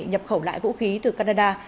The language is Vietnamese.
nhập khẩu lại vũ khí từ canada